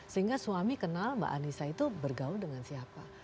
sehingga suami kenal mbak anissa itu bergaul dengan siapa